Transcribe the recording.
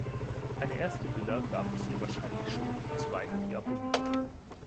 Eine erste Villa gab es hier wahrscheinlich schon im zweiten Jahrhundert.